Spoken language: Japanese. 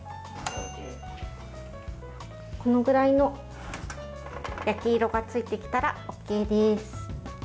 このぐらいの焼き色がついてきたらＯＫです。